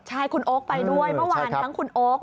ใช่คุณโอ๊คไปด้วยเมื่อวานทั้งคุณโอ๊ค